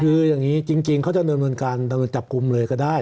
คือยังนี้จริงจริงเขาจะเนินเงินการแต่ในการจับกลุ่มเลยก็ได้